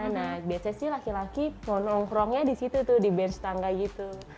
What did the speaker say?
nah biasanya sih laki laki mau nongkrongnya di situ tuh di bench tangga gitu